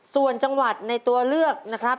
ส่วนจังหวัดในตัวเลือกนะครับ